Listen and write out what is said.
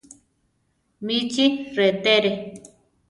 Michi rétere.